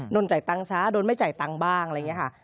นนจ่ายตังค์ซะโดนไม่จ่ายตังค์บ้างอะไรอย่างนี้ค่ะ